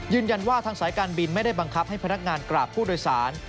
ทางสายการบินไม่ได้บังคับให้พนักงานกราบผู้โดยสาร